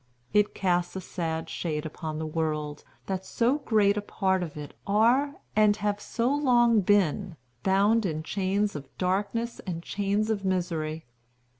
It casts a sad shade upon the world, that so great a part of it are, and have so long been, bound in chains of darkness and chains of misery.